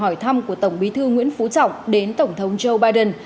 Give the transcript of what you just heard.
hỏi thăm của tổng bí thư nguyễn phú trọng đến tổng thống joe biden